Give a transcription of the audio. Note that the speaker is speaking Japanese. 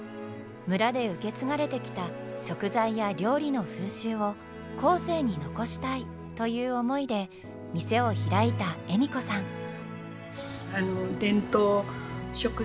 村で受け継がれてきた食材や料理の風習を後世に残したいという思いで店を開いた笑子さん。